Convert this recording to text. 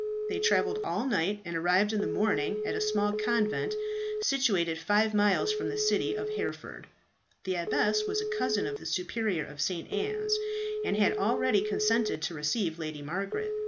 They travelled all night, and arrived in the morning at a small convent situated five miles from the city of Hereford. The abbess here was a cousin of the Superior of St. Anne's, and had already consented to receive Lady Margaret.